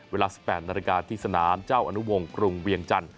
เวลา๑๘นาฬิกาที่สนามเจ้าอนุวงศ์กรุงเวียงจันท